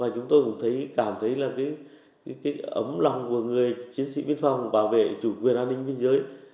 chúng tôi cũng thấy cảm thấy là ấm lòng của người chiến sĩ biên phòng bảo vệ chủ quyền an ninh biên giới